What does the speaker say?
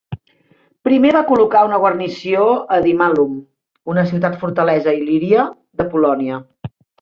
Primer va col·locar una guarnició a Dimallum, una ciutat-fortalesa il·líria d'Apol·lònia.